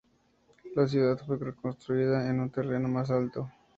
La ciudad fue reconstruida en un terreno más alto.